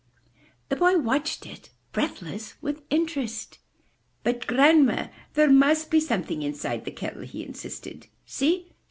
The boy watched it, breathless with interest. ''But, Grandma, there must be something inside the kettle, he insisted. ''See!